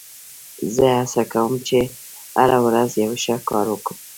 زه هڅه کوم، چي هره ورځ یو ښه کار وکم.